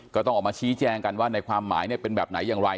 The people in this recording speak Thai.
ก็ต้องออกมาชี้แจงกันว่าในความหมายเป็นแบบไหนอย่างไร